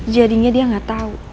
jadinya dia gak tau